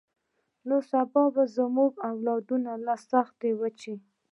نو سبا به زمونږ اولادونه له سختې وچکالۍ.